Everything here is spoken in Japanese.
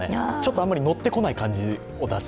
あまり乗ってこない感じを出す。